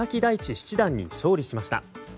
七段に勝利しました。